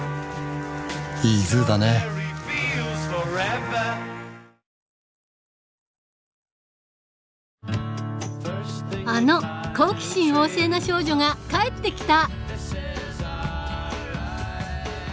いいＺｏｏだねあの好奇心旺盛な少女が帰ってきた！